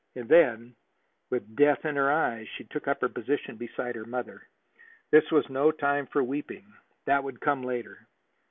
And then, with death in her eyes, she took up her position beside her mother. This was no time for weeping; that would come later.